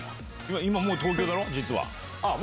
今もう東京だろ？